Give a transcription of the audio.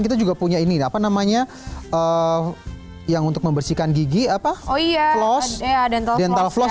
kita juga punya ini apa namanya yang untuk membersihkan gigi apa oh iya floss dental floss